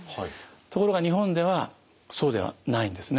ところが日本ではそうではないんですね。